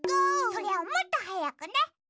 それをもっとはやくね。